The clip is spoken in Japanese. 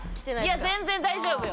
いや全然大丈夫よ。